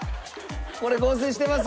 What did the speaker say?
これ合成してますよ。